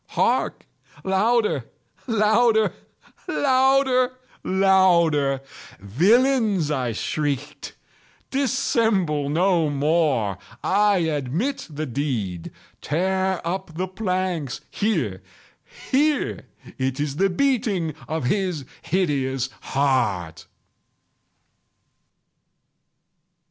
—hark! louder! louder! louder! louder! "Villains!" I shrieked, "dissemble no more! I admit the deed!—tear up the planks!—here, here!—It is the beating of his hideous heart!"